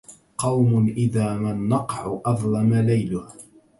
قوم إذا ما النقع أظلم ليله